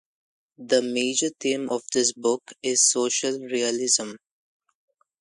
The major theme of this book is social realism.